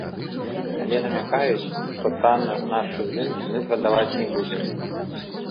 Але намякаюць, што танна нашы здымкі мы прадаваць не будзем.